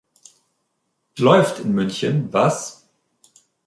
Läuft in München, was?